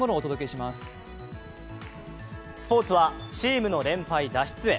スポーツはチームの連敗脱出へ。